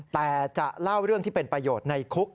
แต่จะเล่าเรื่องที่เป็นประโยชน์ในคุก